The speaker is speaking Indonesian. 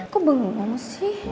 kok bengong sih